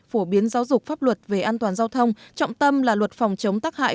phổ biến giáo dục pháp luật về an toàn giao thông trọng tâm là luật phòng chống tắc hại